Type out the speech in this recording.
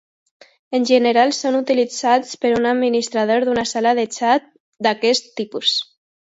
En general són utilitzats per un administrador d'una sala de xat d'aquest tipus.